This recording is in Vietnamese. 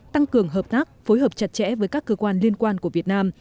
tăng cường hợp tác phối hợp chặt chẽ với các cơ quan liên quan của việt nam